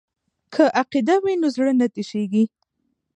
که عقیده وي نو زړه نه تشیږي.